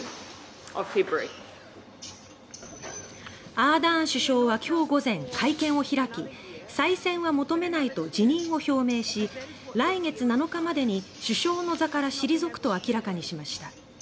アーダーン首相は今日午前、会見を開き再選は求めないと辞任を表明し来月７日までに首相の座から退くと明らかにしました。